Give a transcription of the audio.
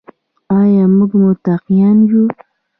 آیا موږ متقیان یو؟